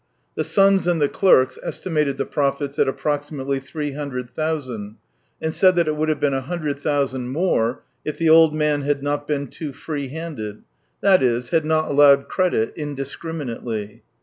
The sons and the clerks estimated the profits at approximately three hundred thousand, and said that it would have been a hundred thousand more if the old man had not " been too free handed" — that is, had not allowed credit indiscriminately.